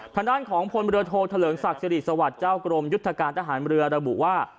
ทางด้านของพลเรือโทเถลิงศักดิ์สิริสวัสดิ์เจ้ากรมยุทธการทหารเรือระบุว่า